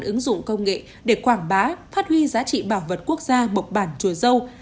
ứng dụng công nghệ để quảng bá phát huy giá trị bảo vật quốc gia mộc bản chùa dâu